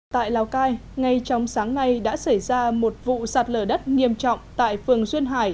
tại lào cai ngay trong sáng nay đã xảy ra một vụ sạt lở đất nghiêm trọng tại phường duyên hải